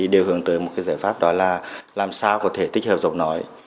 đều hướng tới một giải pháp đó là làm sao có thể tích hợp giọng nói